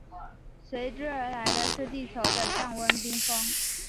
随之而来的是地球的降温冰封。